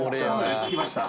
着きました。